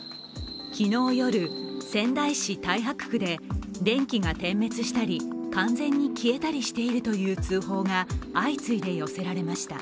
昨日夜、仙台市太白区で電気が点滅したり完全に消えたりしているという通報が相次いで寄せられました。